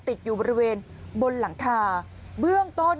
ติดอยู่บริเวณบนหลังคาเบื้องต้น